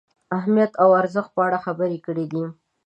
اهمیت او ارزښت په اړه خبرې کړې دي.